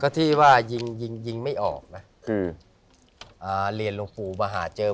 ก็ที่ว่ายิงไม่ออกนะเรียนลงฟูมาหาเจอ